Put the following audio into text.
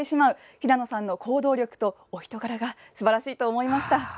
平野さんの行動力とお人柄がすばらしいと思いました。